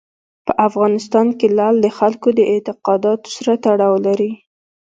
په افغانستان کې لعل د خلکو د اعتقاداتو سره تړاو لري.